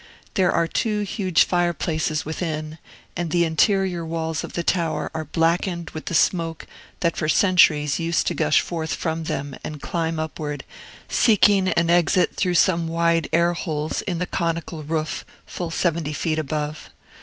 There are two huge fireplaces within, and the interior walls of the tower are blackened with the smoke that for centuries used to gush forth from them, and climb upward, seeking an exit through some wide air holes in the comical roof, full seventy feet above.